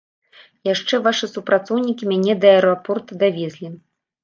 Яшчэ вашы супрацоўнікі мяне да аэрапорта давезлі.